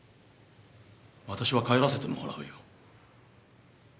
私は帰らせてもらうよ。